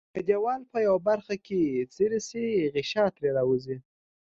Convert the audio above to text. که دیوال په یوه برخه کې څیري شي غشا ترې راوځي.